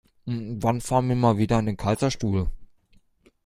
Wann fahren wir mal wieder an den Kaiserstuhl?